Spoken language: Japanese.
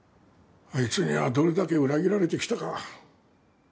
あいつにはどれだけ裏切られてきたか。